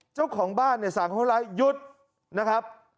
เจ้าของบ้านเนี่ยสั่งคนร้ายหยุดนะครับ